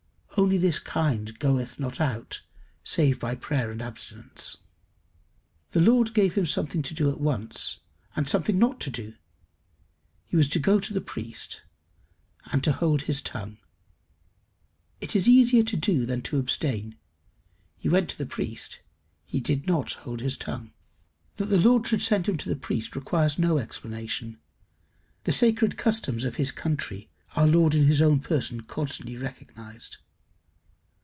Only this kind goeth not out save by prayer and abstinence. The Lord gave him something to do at once, and something not to do. He was to go to the priest, and to hold his tongue. It is easier to do than to abstain; he went to the priest; he did not hold his tongue. That the Lord should send him to the priest requires no explanation. The sacred customs of his country our Lord in his own person constantly recognized.